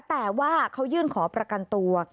แต่ว่าเขายื่นขอประกันตัว